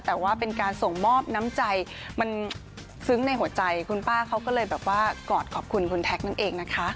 แต่ว่าเป็นการส่งมอบน้ำใจมันซึ้งในหัวใจคุณป้าเขาก็เลยแบบว่ากอดขอบคุณคุณแท็กนั่นเองนะคะ